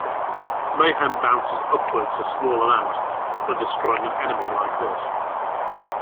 Mayhem bounces upwards a small amount when destroying an enemy like this.